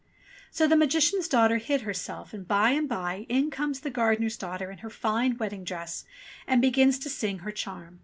So the Magician's daughter hid herself, and, by and by, in comes the gardener's daughter in her fine wedding dress, and begins to sing her charm.